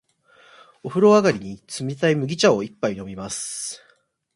お風呂上がりに、冷たい麦茶を一杯飲みます。